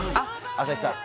朝日さん